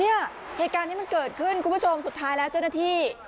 เหตุการณ์ที่มันเกิดขึ้นคุณผู้ชมสุดท้ายแล้วเจ้าหน้าที่